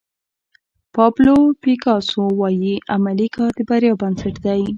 پابلو پیکاسو وایي عملي کار د بریا بنسټ دی.